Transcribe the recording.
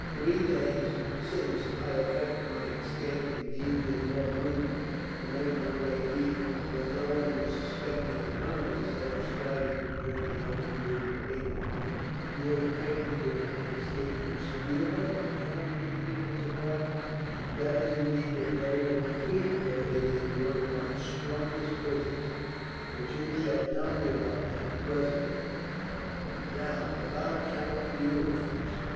Three days since I effected my escape, and deemed it more prudent to make my way here, where no one would suspect me of coming, instead of striving to journey up through Bohemia." "You effected your escape from Spielberg!" the count repeated, in surprise. "That is indeed a notable feat, for it is one of our strongest prisons; but you shall tell me about that, presently. "Now, about Count Eulenfurst.